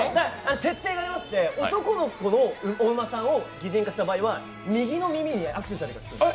設定がありまして、男の子のお馬さんを擬人化した場合は右の耳にアクセサリーがつくんです。